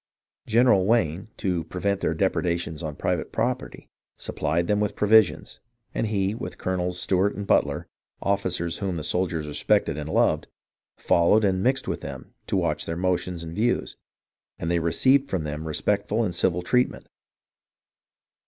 General Wayne, to prevent their depredations on private property, sup plied them with provisions, and he, with Colonels Stewart and Butler, officers whom the soldiers respected and loved, followed and mixed with them to watch their motions and views, and they received from them respectful and civil treatment.